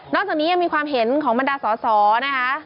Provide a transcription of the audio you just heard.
จากนี้ยังมีความเห็นของบรรดาสอสอนะคะ